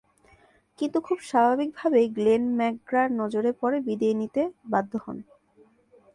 কিন্তু, খুব স্বাভাবিকভাবেই গ্লেন ম্যাকগ্রা’র নজরে পড়ে বিদেয় নিতে বাধ্য হন।